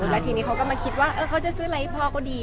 แล้วทีนี้เขาก็มาคิดว่าเขาจะซื้ออะไรให้พ่อก็ดี